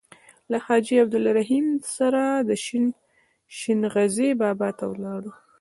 له حاجي عبدالرحیم سره شین غزي بابا ته ولاړو.